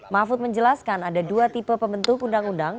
mahfud menjelaskan ada dua tipe pembentuk undang undang